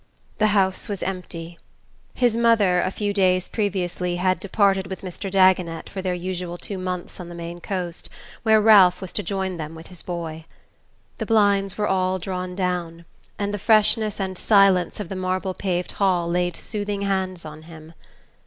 The house was empty. His mother, a few days previously, had departed with Mr. Dagonet for their usual two months on the Maine coast, where Ralph was to join them with his boy.... The blinds were all drawn down, and the freshness and silence of the marble paved hall laid soothing hands on him....